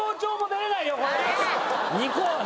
２個はな。